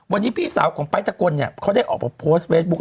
วันนี้พี่สาวของป้ายตะกลเนี่ยเขาได้ออกมาโพสต์เฟซบุ๊ค